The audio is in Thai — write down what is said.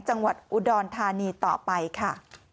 จังหวัดอุดรธานีต่อไปค่ะ